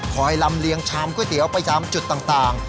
ลำเลียงชามก๋วยเตี๋ยวไปตามจุดต่าง